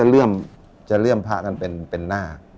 เขาจะเรื่อมภาคท่านเป็นนาค